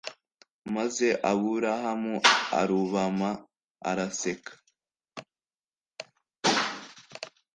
maze aburahamu arubama araseka